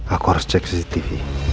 aku harus cek cctv